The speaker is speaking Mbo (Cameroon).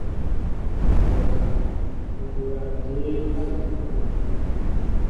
Wɛ ka , o bola jěbá á alɔŋgá tê?